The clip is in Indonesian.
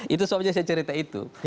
itu sebabnya saya cerita itu